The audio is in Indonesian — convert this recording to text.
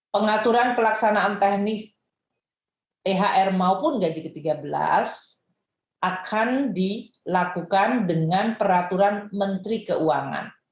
pengaturan pelaksanaan teknis thr maupun gaji ke tiga belas akan dilakukan dengan peraturan menteri keuangan